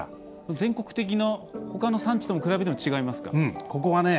全国的なほかの産地と比べても違いますか？